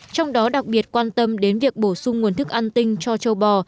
trong đó đặc biệt quan tâm đến việc bổ sung nguồn thức ăn tinh cho châu bò